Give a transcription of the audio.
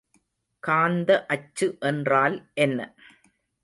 காந்த அச்சு என்றால் என்ன?